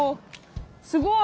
すごい！